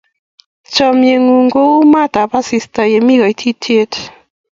Chomye ng'ung' kou maat ap asista ye mi koitityet.